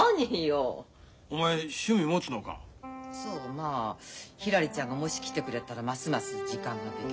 まあひらりちゃんがもし来てくれたらますます時間ができるし。